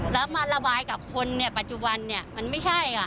แล้วมาระบายกับคนปัจจุบันเนี่ยมันไม่ใช่ค่ะ